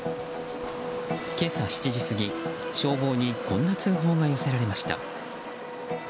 今朝７時過ぎ、消防にこんな通報が寄せられました。